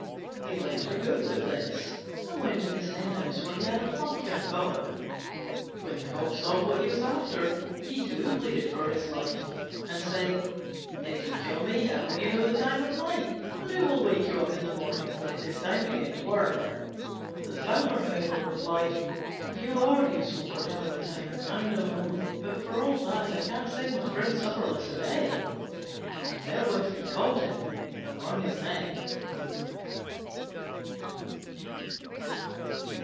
He let her go at this, and went to his hen house, where he had a plump young Cock. When the Cock saw what he was after, he too pleaded for his life, and said, "If you kill me, how will you know the time of night? and who will wake you up in the morning when it is time to get to work?" The Fowler, however, replied, "You are useful for telling the time, I know; but, for all that, I can't send my friend supperless to bed." And therewith he caught him and wrung his neck.